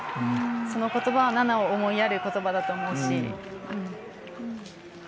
その言葉は、菜那を思いやる言葉だと思うし。